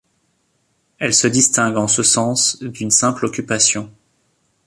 Elle se distingue en ce sens d'une simple occupation.